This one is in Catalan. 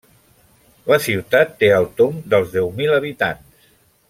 La ciutat té al tomb dels deu mil habitants.